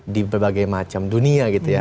di berbagai macam dunia gitu ya